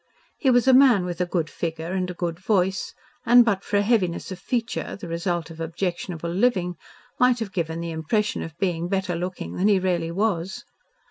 He was a man with a good figure and a good voice, and but for a heaviness of feature the result of objectionable living, might have given the impression of being better looking than he really was.